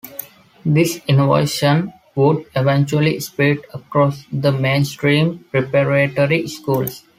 This innovation would eventually spread across the mainstream preparatory schools.